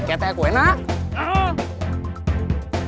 kt aku enak